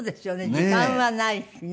時間はないしね。